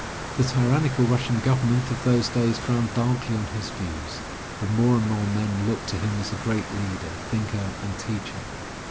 The tyrannical Russian government of those days frowned darkly on his views, but more and more men looked to him as a great leader, thinker and teacher.